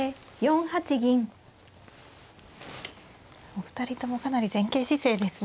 お二人ともかなり前傾姿勢ですね。